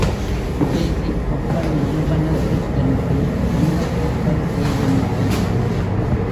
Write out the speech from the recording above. சுதேசிக் கப்பல் நிறுவனத்துக்கென்று சொந்தக் கப்பல் ஏதுமில்லை.